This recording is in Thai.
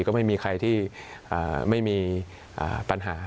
ก็ไม่มีใครที่ไม่มีปัญหา